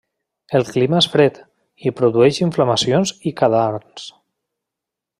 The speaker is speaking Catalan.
El clima és fred, i produeix inflamacions i cadarns.